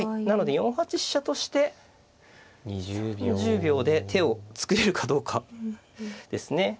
なので４八飛車として３０秒で手を作れるかどうかですね。